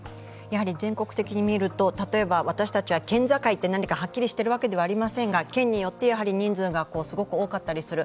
全国的に見ると、例えば私たちは県境ってはっきりしているわけではありませんが、県によって人数がすごく多かったりする。